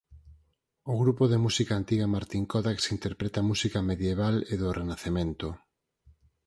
O grupo de música antiga "Martín Códax" interpreta música medieval e do Renacemento.